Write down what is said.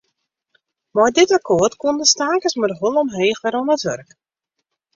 Mei dit akkoart koenen de stakers mei de holle omheech wer oan it wurk.